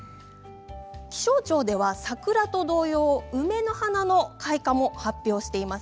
気象庁では桜同様、梅の開花も発表しています。